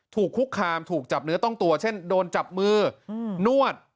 ถูกคุกคามถูกจับเนื้อต้องตัวเช่นโดนจับมือนวด